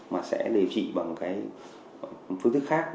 mà sẽ điều trị bằng cái phương thức khác